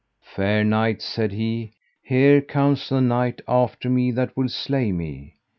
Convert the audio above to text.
Fair knights, said he, here cometh a knight after me that will slay me.